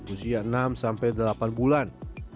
usia enam sampai delapan bulan